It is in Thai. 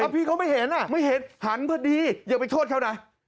พี่เขาไม่เห็นไม่เห็นหันพอดีอย่าไปโทษเขานะ